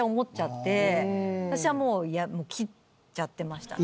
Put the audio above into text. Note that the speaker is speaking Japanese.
私はもう切っちゃってましたね。